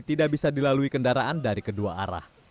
tidak bisa dilalui kendaraan dari kedua arah